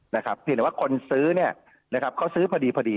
เพียงแต่ว่าคนซื้อเนี่ยเขาซื้อพอดี